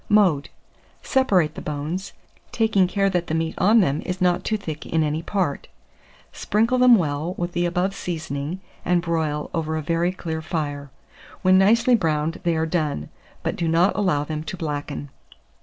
Mode. Separate the bones, taking care that the meat on them is not too thick in any part; sprinkle them well with the above seasoning, and broil over a very clear fire. When nicely browned they are done; but do not allow them to blacken.